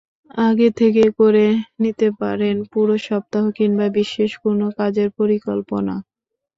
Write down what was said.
আগে থেকে করে নিতে পারেন পুরো সপ্তাহ কিংবা বিশেষ কোনো কাজের পরিকল্পনা।